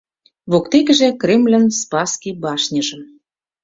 Воктекыже Кремльын Спасский башньыжым.